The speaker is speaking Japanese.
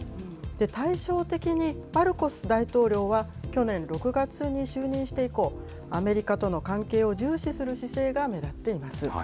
対照的にマルコス大統領は去年６月に就任して以降、アメリカとの関係を重視する姿勢が目立っています。